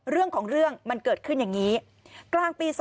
เรื่องของเรื่องมันเกิดขึ้นอย่างนี้กลางปี๒๕